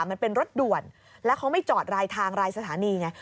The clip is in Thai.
มันเป็นรถด่วนแล้วเขาไม่จอดรายทางรายสถานีไง